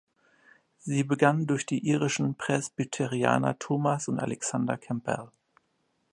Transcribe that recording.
Sie begann durch die irischen Presbyterianer Thomas und Alexander Campbell.